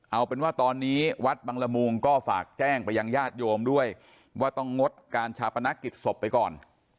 เอาเป็นว่าตอนนี้วัดบังละมุงก็ฝากแจ้งไปยังญาติโยมด้วยว่าต้องงดการชาปนกิจศพไปก่อน